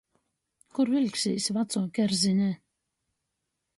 Kur viļksīs, vacuo kerzine?